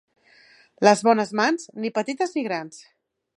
Les bones mans, ni petites ni grans.